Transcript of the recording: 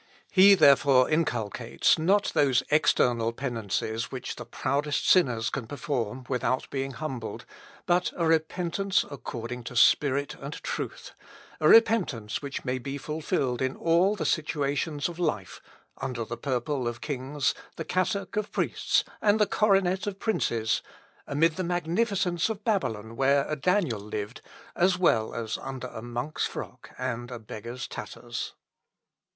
" He, therefore, inculcates, not those external penances which the proudest sinners can perform without being humbled, but a repentance according to spirit and truth a repentance which may be fulfilled in all the situations of life, under the purple of kings, the cassock of priests, and the coronet of princes, amid the magnificence of Babylon, where a Daniel lived, as well as under a monk's frock and a beggar's tatters. On the First Thesis.